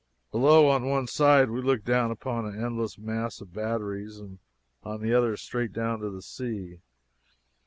Below, on one side, we looked down upon an endless mass of batteries and on the other straight down to the sea.